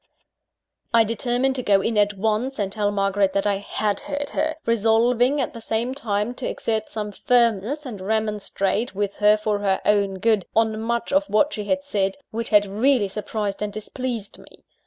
I determined to go in at once, and tell Margaret that I had heard her resolving, at the same time, to exert some firmness, and remonstrate with her, for her own good, on much of what she had said, which had really surprised and displeased me.